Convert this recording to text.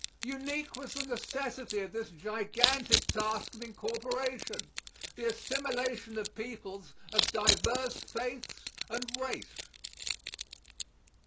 Unique was the necessity of this gigantic task of incorporation, the assimilation of people of divers faiths and race.